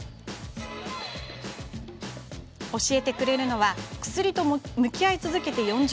教えてくれるのは薬と向き合い続けて４０